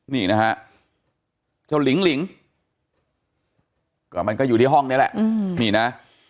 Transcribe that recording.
นี่นะฮะเจ้าหลิงหลิงก็มันก็อยู่ที่ห้องนี้แหละนี่นะ